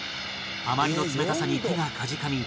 あまりの冷たさに手がかじかみ